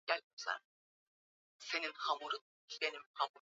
katakata slesi ndiogondogo za viazi lishe